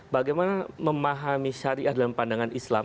bagaimana memahami syariah dalam pandangan islam